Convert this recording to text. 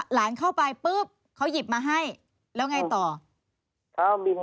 หลานเข้าไปปุ๊บเขาหยิบมาให้แล้วไงต่อครับ